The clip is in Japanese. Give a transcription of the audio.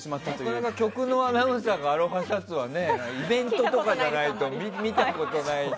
なかなか局のアナウンサーがアロハシャツってイベントとかじゃないと見たことない。